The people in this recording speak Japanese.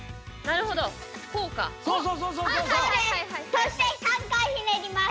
そして３かいひねります。